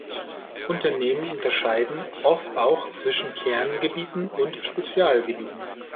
Unternehmen unterscheiden oft auch zwischen "Kerngebieten" und "Spezialgebieten".